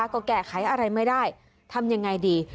แล้วก็แก่ไขอะไรไม่ได้ทำอย่างไรดี